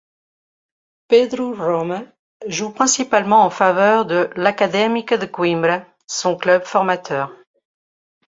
Pedro Roma joue principalement en faveur de l'Académica de Coimbra, son club formateur.